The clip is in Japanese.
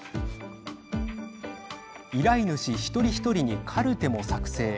依頼主、一人一人にカルテも作成。